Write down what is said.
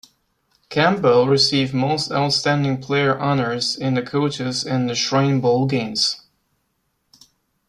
Campbell received most outstanding player honours in the Coaches and the Shrine Bowl games.